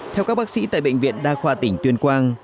theo các bác sĩ tại bệnh viện đa khoa tỉnh tuyên quang